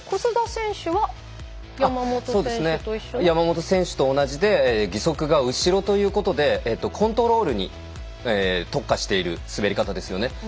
風間さん山本選手と同じで義足が後ろということでコントロールに特化している滑り方ですよね。